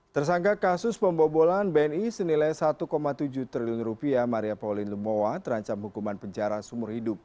tersangka kasus pembobolan bni senilai satu tujuh triliun rupiah maria pauline lumowa terancam hukuman penjara seumur hidup